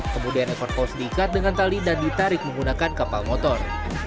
kemudian ekor paus diikat dengan tali dan ditarik menggunakan kapal motor